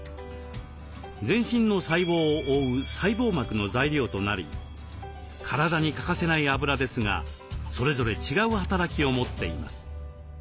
全身の細胞を覆う細胞膜の材料となり体に欠かせないあぶらですがそれぞれ違う働きを持っています。